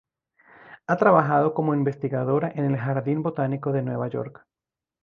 Ha trabajado como investigadora en el Jardín Botánico de Nueva York.